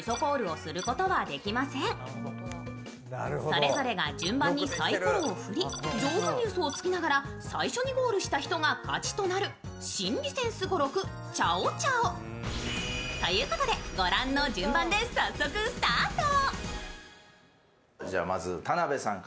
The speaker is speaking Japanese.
それぞれが順番にさいころを振り、上手にうそをつきながら最初にゴールをした人が勝ちとなる心理戦すごろく「チャオチャオ」。ということで、ご覧の順番で早速スタート。